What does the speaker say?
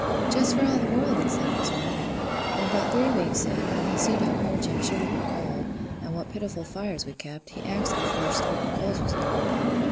"Just for all the world!" exclaimed his wife; "an' about a three wik sin', when he seed how poor Jem shivered wi' cold, an' what pitiful fires we kept, he axed if wer stock of coals was nearly done.